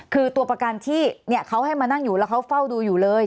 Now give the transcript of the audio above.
คือตัวประกันที่เขาให้มานั่งอยู่แล้วเขาเฝ้าดูอยู่เลย